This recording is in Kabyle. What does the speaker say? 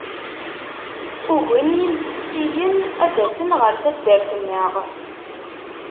Ugin yimsexsiyen ad d-asen ɣer taddart-nneɣ.